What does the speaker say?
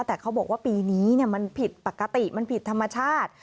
แต่เขาบอกว่าปีนี้มันผิดปกติมันผิดธรรมชาติ